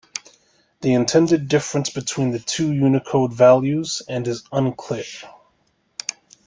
The intended difference between the two Unicode values and is unclear.